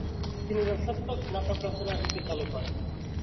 তিনি রসাত্মক নাটক রচনার রীতি চালু করেন।